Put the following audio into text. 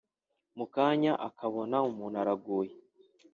mu kanya akabona umuntu araguye,